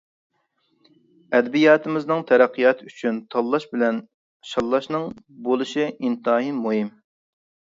ئەدەبىياتىمىزنىڭ تەرەققىياتى ئۈچۈن تاللاش بىلەن شاللاشنىڭ بولۇشى ئىنتايىن مۇھىم.